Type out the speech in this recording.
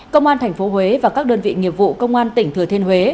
công an tp huế và các đơn vị nghiệp vụ công an tỉnh thừa thiên huế